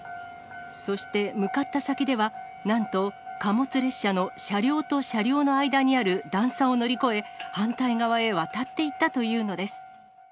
そして向かった先では、なんと、貨物列車の車両と車両の間にある段差を乗り越え、反対側へ渡っていったというのです。